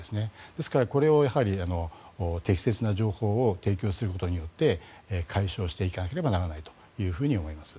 ですから、これを適切な情報を提供することで解消していかなければならないと思います。